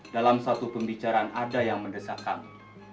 dalam satu pembicaraan ada yang mendesak kami